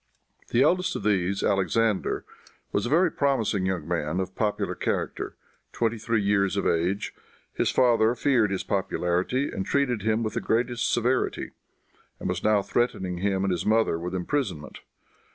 The eldest of these, Alexander, was a very promising young man, of popular character, twenty three years of age. His father feared his popularity and treated him with the greatest severity, and was now threatening him and his mother with imprisonment.